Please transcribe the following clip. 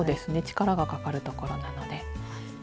力がかかるところなので。